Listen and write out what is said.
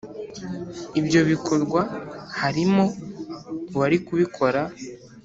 ibyo bikorwa harimo uwari kubikora.